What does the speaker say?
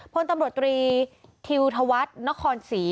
พลตำรวจตรีทิวธวัฒน์นครศรี